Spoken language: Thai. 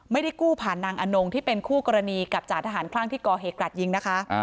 ไม่ได้กู้ผ่านนางอนงที่เป็นคู่กรณีกับจ่าทหารคลั่งที่ก่อเหตุกราดยิงนะคะ